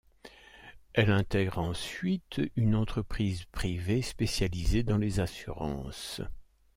Elle intègre ensuite une entreprise privée spécialisée dans les assurances.